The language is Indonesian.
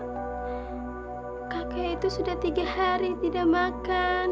kakek itu sudah tiga hari tidak makan